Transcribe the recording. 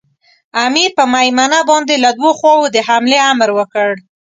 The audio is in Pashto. امیر پر مېمنه باندې له دوو خواوو د حملې امر وکړ.